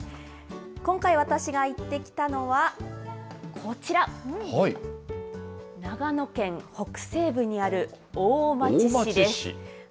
今回、私が行ってきたのは、こちら、長野県北西部にある大町市です。